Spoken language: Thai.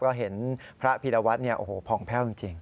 ก็เห็นพระพีรวัตรเนี่ยโอ้โหผ่องแพ่วจริง